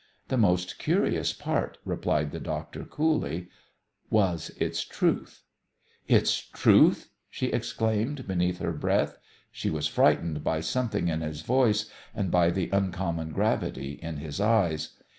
"The most curious part," replied the doctor coolly, "was its truth." "Its truth!" she exclaimed beneath her breath. She was frightened by something in his voice and by the uncommon gravity in his eyes.